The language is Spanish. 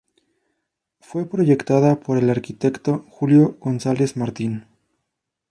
Fue proyectada por el arquitecto Julio González Martín.